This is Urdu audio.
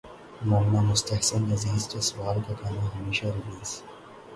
مومنہ مستحسن عزیر جسوال کا گانا ہمیشہ ریلیز